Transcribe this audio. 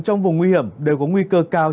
trong vùng nguy hiểm đều có nguy cơ cao